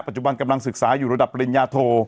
จุบันกำลังศึกษาอยู่ระดับปริญญาโท